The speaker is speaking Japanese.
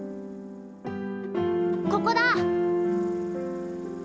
ここだ。